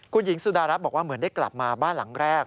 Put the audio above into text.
คุณหญิงสุดารัฐบอกว่าเหมือนได้กลับมาบ้านหลังแรก